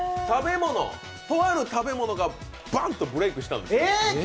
とある食べ物がバンとブレイクしたんです。